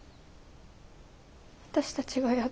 私たちがやったの。